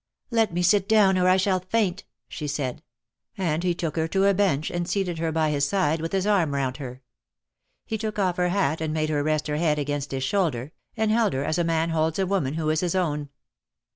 "Let me sit down, or I shall faint," she said, and he took her to a bench and seated her by his side, with his arm round her. He took off her hat and made her rest her head against his shoulder, and held her as a man holds a woman who is his own.